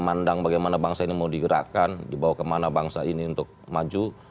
memandang bagaimana bangsa ini mau digerakkan dibawa kemana bangsa ini untuk maju